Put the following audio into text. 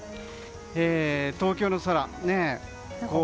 東京の空。